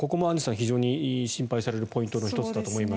非常に心配されるポイントの１つだと思います。